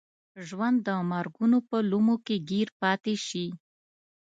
ژوند د مرګونو په لومو کې ګیر پاتې شي.